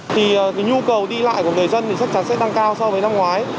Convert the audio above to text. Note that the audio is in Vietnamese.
thì nhu cầu đi lại của người dân thì chắc chắn sẽ tăng cao so với năm ngoái